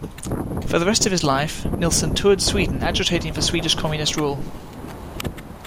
For the rest of his life, Nilson toured Sweden agitating for Swedish Communist rule.